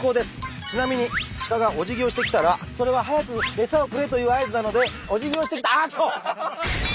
ちなみに鹿がお辞儀をしてきたらそれは早く餌をくれという合図なのでお辞儀をしてきたあくそ！